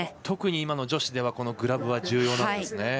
特に今の女子ではグラブは重要なんですね。